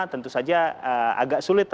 tentu saja agak sulit